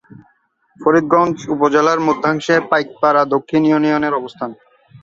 ফরিদগঞ্জ উপজেলার মধ্যাংশে পাইকপাড়া দক্ষিণ ইউনিয়নের অবস্থান।